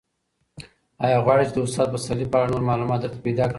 ایا غواړې چې د استاد پسرلي په اړه نور معلومات درته پیدا کړم؟